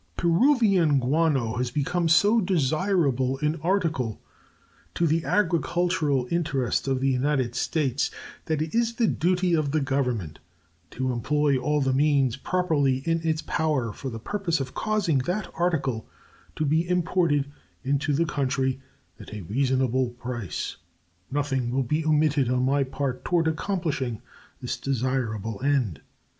Peruvian guano has become so desirable an article to the agricultural interest of the United States that it is the duty of the Government to employ all the means properly in its power for the purpose of causing that article to be imported into the country at a reasonable price. Nothing will be omitted on my part toward accomplishing this desirable end.